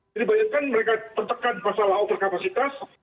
jadi banyak kan mereka tertekan masalah overcapacitas